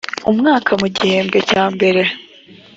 mu mwaka mu gihembwe cya mbere